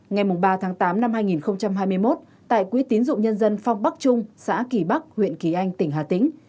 ngày ba tháng tám năm hai nghìn hai mươi một tại quỹ tín dụng nhân dân phong bắc trung xã kỳ bắc huyện kỳ anh tỉnh hà tĩnh